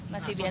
masih biasa aja